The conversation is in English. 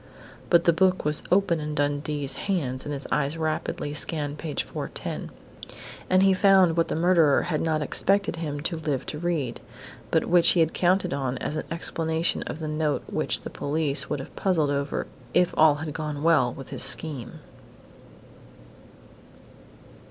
_ But the book was open in Dundee's hands and his eyes rapidly scanned page 410. And he found what the murderer had not expected him to live to read, but which he had counted on as an explanation of the note which the police would have puzzled over, if all had gone well with his scheme....